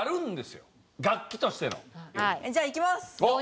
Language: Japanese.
じゃあいきます。